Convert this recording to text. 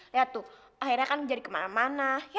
lihat tuh akhirnya kan jadi kemana mana ya